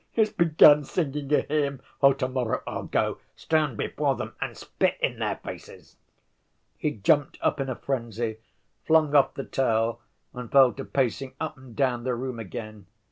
He's begun singing a hymn! Oh, to‐morrow I'll go, stand before them, and spit in their faces!" He jumped up in a frenzy, flung off the towel, and fell to pacing up and down the room again.